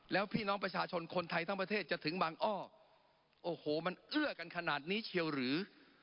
แล้วพี่น้องประชาชนคนไทยทั้งประเทศจะถึงบางอ้อโอ้โหมันเอื้อกันขนาดนี้เชียวหรือ